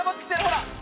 ほら！